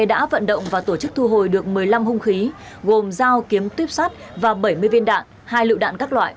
các vận động và tổ chức thu hồi được một mươi năm hông khí gồm dao kiếm tuyếp sát và bảy mươi viên đạn hai lựu đạn các loại